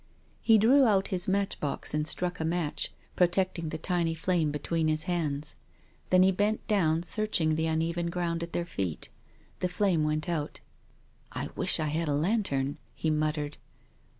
He drew out his match box and struck a match, protecting the tiny flame between his hands. Then he bent down, searching the uneven ground at their feet. The flame went out. " I wish I had a lantern," he muttered.